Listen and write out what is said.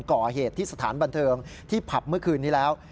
ก่อเหตุที่สถานบันเทิงที่ผับเมื่อคืนนี้แล้ว